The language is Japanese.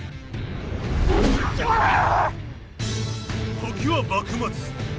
時は幕末。